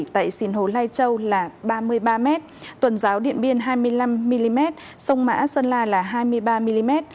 tại sinh hồ lai châu là ba mươi ba m tuần giáo điện biên hai mươi năm mm sông mã sơn la là hai mươi ba mm